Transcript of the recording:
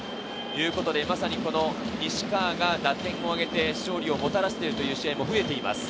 まさに西川が打点を挙げて勝利をもたらしているという試合も増えています。